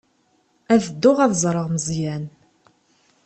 Ad dduɣ ad ẓreɣ Meẓyan.